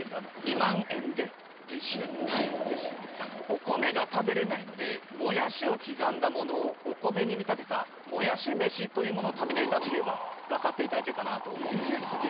お米が食べれないのでモヤシを刻んだものをお米に見立てたモヤシ飯というものを食べていたと言えば分かっていただけるかなと思うんですけど。